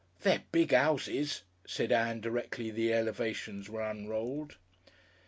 "They're big 'ouses," said Ann directly the elevations were unrolled.